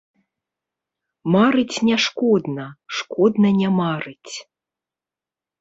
Марыць не шкодна, шкодна не марыць.